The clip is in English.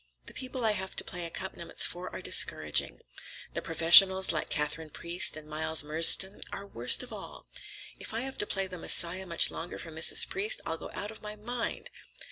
The people I have to play accompaniments for are discouraging. The professionals, like Katharine Priest and Miles Murdstone, are worst of all. If I have to play 'The Messiah' much longer for Mrs. Priest, I'll go out of my mind!"